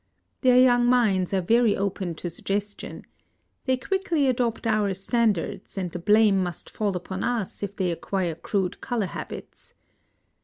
Their young minds are very open to suggestion. They quickly adopt our standards, and the blame must fall upon us if they acquire crude color habits.